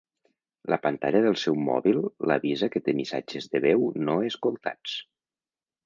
La pantalla del seu mòbil l'avisa que té missatges de veu no escoltats.